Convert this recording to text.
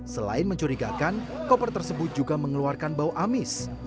selain mencurigakan koper tersebut juga mengeluarkan bau amis